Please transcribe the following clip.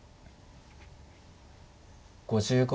５５秒。